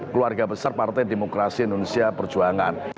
keluarga besar partai demokrasi indonesia perjuangan